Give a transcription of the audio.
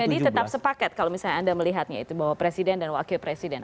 jadi tetap sepaket kalau misalnya anda melihatnya itu bahwa presiden dan wakil presiden